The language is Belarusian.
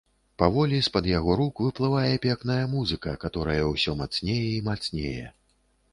Паволі з-пад яго рук выплывае пекная музыка, каторая ўсё мацнее і мацнее.